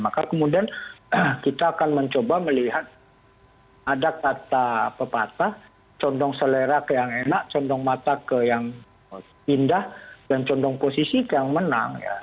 maka kemudian kita akan mencoba melihat ada kata pepatah condong selera ke yang enak condong mata ke yang pindah dan condong posisi ke yang menang